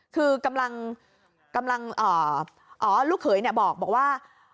คือกำลังอ๋อลูกเขยบอกว่า